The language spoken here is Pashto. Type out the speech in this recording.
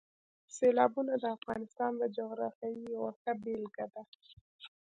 سیلابونه د افغانستان د جغرافیې یوه ښه بېلګه ده.